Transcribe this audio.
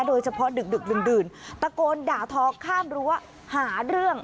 โดยเฉพาะดึกดื่นตะโกนด่าทอข้ามรั้วหาเรื่อง